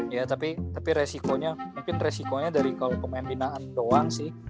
ya tapi resikonya mungkin resikonya dari kalau pemain binaan doang sih